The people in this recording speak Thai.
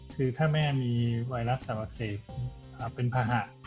คือถ้าแม่มีไวรัสสาวอักเสบเป็นภาหะ